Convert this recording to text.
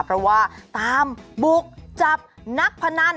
เพราะว่าตามบุกจับนักพนัน